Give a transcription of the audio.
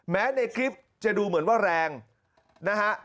ในคลิปจะดูเหมือนว่าแรงนะฮะ